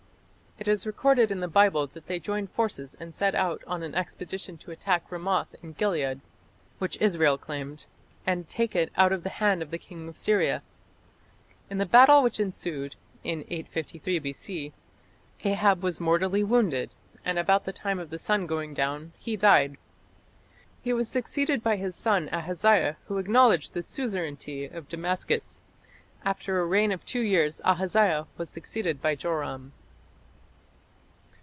It is recorded in the Bible that they joined forces and set out on an expedition to attack Ramoth in Gilead, which Israel claimed, and take it "out of the hand of the king of Syria". In the battle which ensued (in 853 B.C.) Ahab was mortally wounded, "and about the time of the sun going down he died". He was succeeded by his son Ahaziah, who acknowledged the suzerainty of Damascus. After a reign of two years Ahaziah was succeeded by Joram.